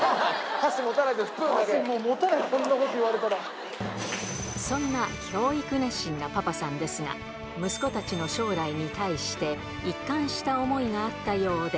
箸持たない、そんなこと言わそんな教育熱心なパパさんですが、息子たちの将来に対して、一貫した思いがあったようで。